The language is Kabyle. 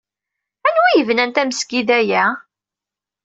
Anwa ay yebnan tamesgida-a?